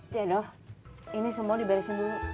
jadoh ini semua dibarisin dulu